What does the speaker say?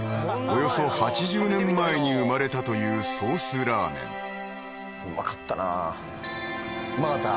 およそ８０年前に生まれたというソースラーメンうまかったなうまかった？